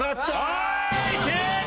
はい正解！